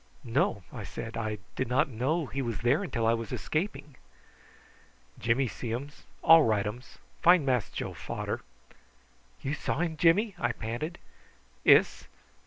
"No," I said. "I did not know he was there till I was escaping." "Jimmy see um. All rightums. Find Mass Joe fader." "You saw him, Jimmy?" I panted. "Iss.